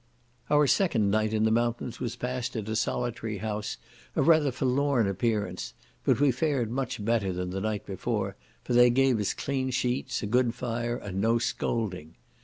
Our second night in the mountains was past at a solitary house of rather forlorn appearance; but we fared much better than the night before, for they gave us clean sheets, a good fire, and no scolding.